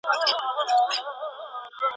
ښکلي سیمي لوی ښارونه یې سور اور کړ